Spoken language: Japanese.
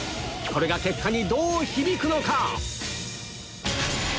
これが結果にどう響くのか？